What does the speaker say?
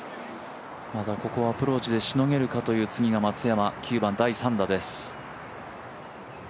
ここはアプローチでしのげるかという次は松山、９番、第３打です。